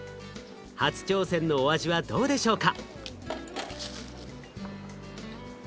初挑戦のお味はどうでしょうか？